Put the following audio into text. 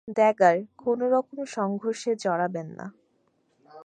Dagger, কোনোরকম সংঘর্ষে জড়াবেন না।